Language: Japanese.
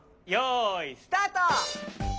よいスタート！